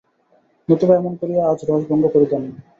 নতুবা এমন করিয়া আজ রসভঙ্গ করিতেন না।